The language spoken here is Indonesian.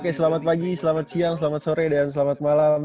oke selamat pagi selamat siang selamat sore dan selamat malam